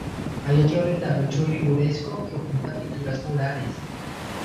Hay otro retablo churrigueresco que oculta pinturas murales.